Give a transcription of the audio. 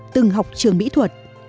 từng học trường mỹ thuật